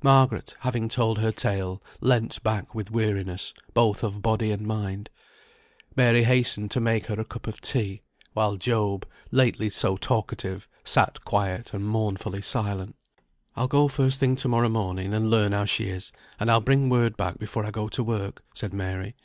Margaret, having told her tale, leant back with weariness, both of body and mind. Mary hastened to make her a cup of tea; while Job, lately so talkative, sat quiet and mournfully silent. "I'll go first thing to morrow morning, and learn how she is; and I'll bring word back before I go to work," said Mary.